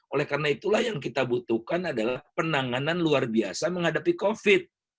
oleh karena itulah yang kita butuhkan adalah penanganan luar biasa menghadapi covid